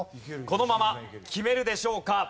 このまま決めるでしょうか？